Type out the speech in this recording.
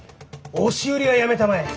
押し売りはやめたまえ！